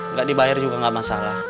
nggak dibayar juga nggak masalah